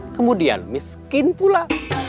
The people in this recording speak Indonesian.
kemudian miskin pula